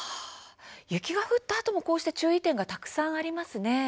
雪が降ったあともこうして注意点がたくさんありますね。